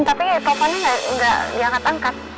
tapi ya telfonnya gak diangkat angkat